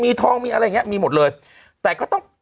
มีทองมีอะไรอย่างเงี้มีหมดเลยแต่ก็ต้อง